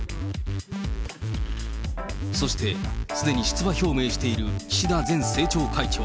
そして、すでに出馬表明している岸田前政調会長。